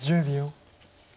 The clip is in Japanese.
１０秒。